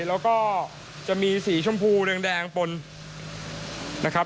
แล้วก็จะมีสีชมพูแดงปนนะครับ